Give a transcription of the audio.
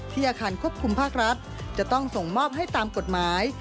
อาคารควบคุมภาครัฐจะต้องส่งมอบให้ตามกฎหมาย